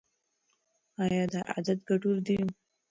ایا دا عادت ګټور دی؟